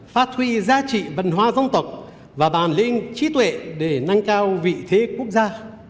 phát huy giá trị văn hóa dân tộc và bàn lĩnh trí tuệ để nâng cao vị thế quốc gia